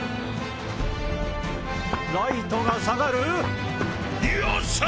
ライトが下がる！よっしゃ！